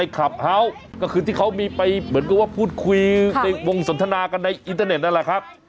คลับเฮาส์ก็คือที่เขามีไปเหมือนกับว่าพูดคุยในวงสนทนากันในอินเทอร์เน็ตนั่นแหละครับ